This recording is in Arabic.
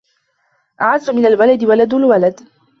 أعز من الولد ولد الولد